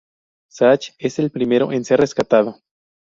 Zach es el primero en ser rescatado.